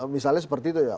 misalnya seperti itu ya